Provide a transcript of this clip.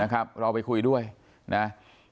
นะครับเราไปคุยด้วยนะฮะ